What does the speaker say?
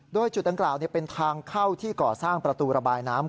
โดยจุดดังกล่าวเป็นทางเข้าที่ก่อสร้างประตูระบายน้ำ